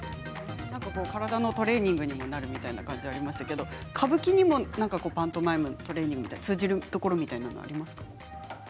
体のトレーニングにもなるという感じがしましたけど歌舞伎にもパントマイムとトレーニング通じるところみたいなものありますか。